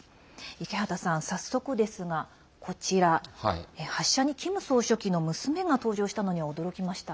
池畑さん、早速ですが、こちら発射にキム総書記の娘が登場したのには驚きました。